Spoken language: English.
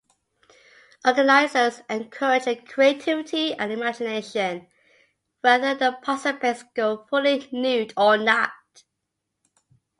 Organizers encourage creativity and imagination, whether the participants go fully nude or not.